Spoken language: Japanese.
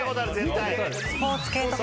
・スポーツ系とか。